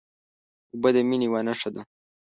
اوبه د مینې یوه نښه ده.